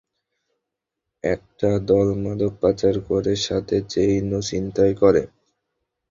একটা দল মাদক পাচার করে, সাথে চেইনও ছিনতাই করে?